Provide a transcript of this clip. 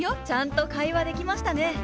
ちゃんと会話できましたね。